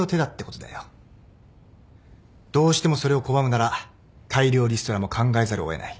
どうしてもそれを拒むなら大量リストラも考えざるを得ない。